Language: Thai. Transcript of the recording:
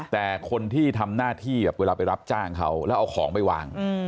แต่คนที่ทำหน้าที่เวลาไปรับจ้างเขาแล้วเอาของไปวาง